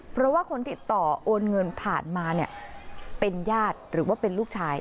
เพราะว่าคนติดต่อโอนเงินผ่านมาเนี่ยเป็นญาติหรือว่าเป็นลูกชาย